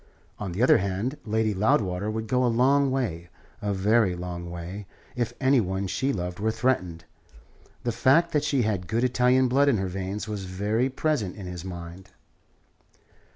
On the other hand, Lady Loudwater would go a long way a very long way if any one she loved were threatened. The fact that she had good Italian blood in her veins was very present in his mind.